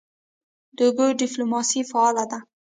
د اوبو ډیپلوماسي فعاله ده؟